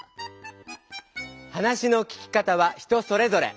話の聞き方は人それぞれ。